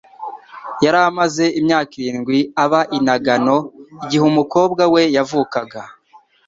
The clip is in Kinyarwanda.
Yari amaze imyaka irindwi aba i Nagano igihe umukobwa we yavukaga.